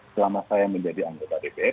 selama saya menjadi anggota dpr